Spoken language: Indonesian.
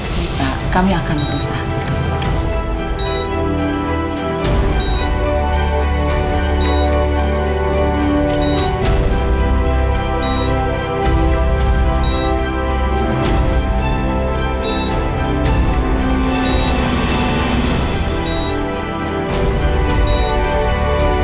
kita kami akan berusaha segera sebagainya